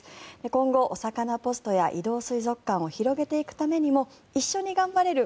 今後、おさかなポストや移動水族館を広げていくためにも一緒に頑張れる